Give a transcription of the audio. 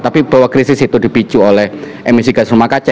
tapi bahwa krisis itu dipicu oleh emisi gas rumah kaca